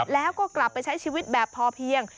แล้วก็กลับไปใช้ชีวิตแบบพอเพียง